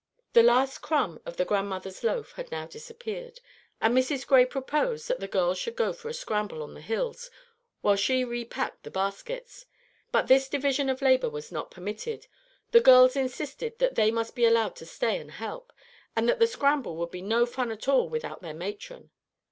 The last crumb of the Grandmother's loaf had now disappeared, and Mrs. Gray proposed that the girls should go for a scramble on the hills while she repacked the baskets. But this division of labor was not permitted. The girls insisted that they must be allowed to stay and help, and that the scramble would be no fun at all without their matron.